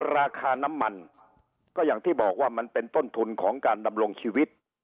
ราคาน้ำมันก็อย่างที่บอกว่ามันเป็นต้นทุนของการดำรงชีวิต